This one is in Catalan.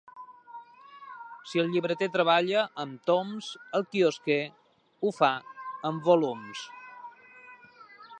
Si el llibreter treballa amb toms, el quiosquer ho fa amb volums.